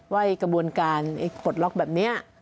ว่ากระบวนการปลดล็อกแบบนี้